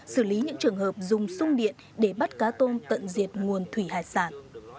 xử lý những trường hợp dùng sung điện để bắt cá tôm tận diệt nguồn thủy hải sản